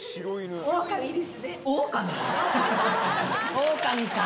オオカミか。